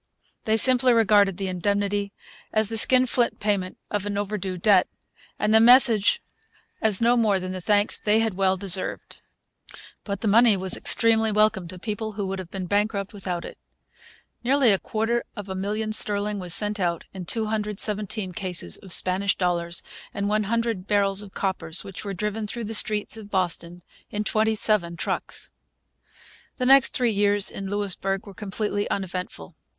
They simply regarded the indemnity as the skinflint payment of an overdue debt, and the message as no more than the thanks they had well deserved. But the money was extremely welcome to people who would have been bankrupt without it. Nearly a quarter of a million sterling was sent out in 217 cases of Spanish dollars and 100 barrels of coppers, which were driven through the streets of Boston in 27 trucks. The next three years in Louisbourg were completely uneventful.